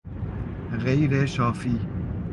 غیر شافی